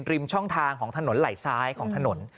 ช่องทางของถนนไหล่ซ้ายของถนน